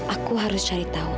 aku harus cari tahu